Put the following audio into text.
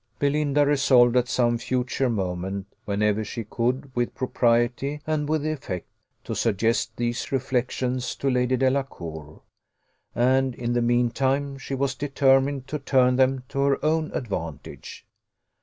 Belinda resolved at some future moment, whenever she could, with propriety and with effect, to suggest these reflections to Lady Delacour, and in the mean time she was determined to turn them to her own advantage.